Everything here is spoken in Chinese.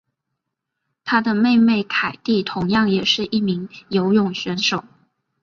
她的妹妹凯蒂同样也是一名游泳选手。